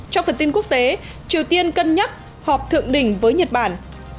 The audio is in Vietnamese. trong phần tin quốc tế triều tiên cân nhắc họp thượng đỉnh với nhật bản